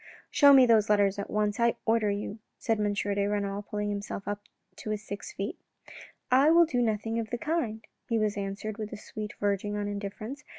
" Show me those letters at once, I order you," and M. de Renal pulled himself up to his six feet. " I will do nothing of the kind," he was answered with a sweetness verging on indifference.